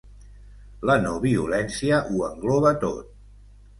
La no-violència ho engloba tot.